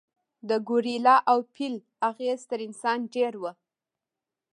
د ګورېلا او فیل اغېز تر انسان ډېر و.